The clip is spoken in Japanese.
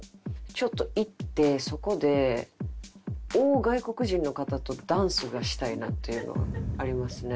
ちょっと行ってそこで大外国人の方とダンスがしたいなというのはありますね。